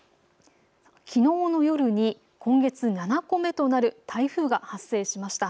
きのうの夜に今月７個目となる台風が発生しました。